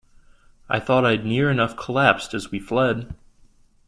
I thought I'd near enough collapse as we fled.